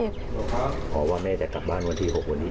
พอว่าแม่จะกลับบ้านวันที่๖วันที่๗